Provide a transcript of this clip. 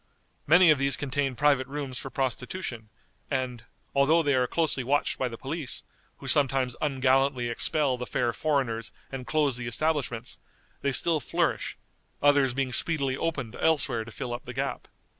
Many of these contain private rooms for prostitution, and, although they are closely watched by the police, who sometimes ungallantly expel the fair foreigners and close the establishments, they still flourish, others being speedily opened elsewhere to fill up the gap.